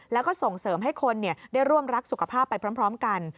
แล้วก็ส่งเสริมให้คนได้ร่วมรักสุขภาพไปพร้อมกัน